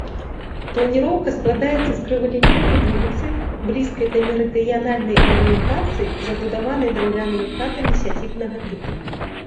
Планіроўка складаецца з крывалінейнай вуліцы, блізкай да мерыдыянальнай арыентацыі забудаванай драўлянымі хатамі сядзібнага тыпу.